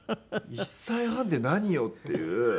１歳半で「何よ？」って言う。